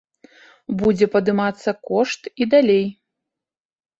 Будзе падымацца кошт і далей.